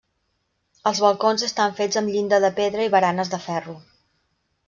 Els balcons estan fets amb llinda de pedra i baranes de ferro.